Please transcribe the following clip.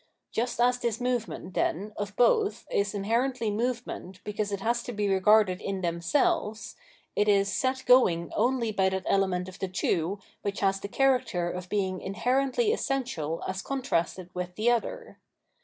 Just as the movement, then, of both is inherently movement because it has to be regarded in themselves, it is set going only by that element of 787 Revealed Religion the two which has the character of being inherently essential as contrasted with the other.